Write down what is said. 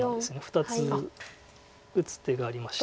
２つ打つ手がありまして。